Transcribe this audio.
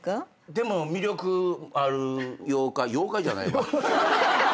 でも魅力ある妖怪妖怪じゃないわ。